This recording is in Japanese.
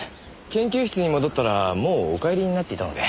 研究室に戻ったらもうお帰りになっていたので。